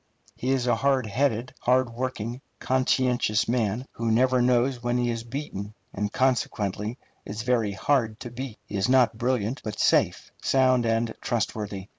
He is a hard headed, hard working, conscientious man, who never knows when he is beaten, and consequently is very hard to beat. He is not brilliant, but safe, sound, and trustworthy.